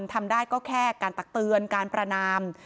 ทำได้ก็แค่การตักเตือนการประนาม